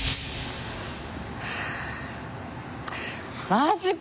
マジか。